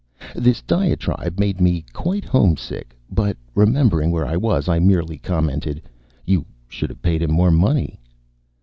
This diatribe made me quite homesick, but remembering where I was, I merely commented, "You should have paid him more money."